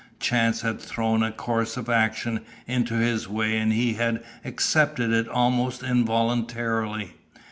Chance had thrown a course of action into his way and he had accepted it almost involuntarily.